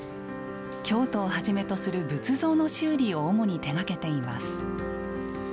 京都をはじめとする仏像の修理を主に手がけています。